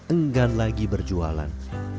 enggan lagi berjualan